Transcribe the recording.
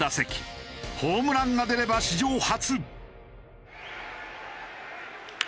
ホームランが出れば史上初。